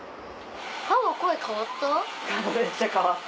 パパ声変わった？